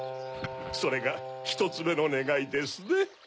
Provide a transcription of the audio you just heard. それが１つめのねがいですね。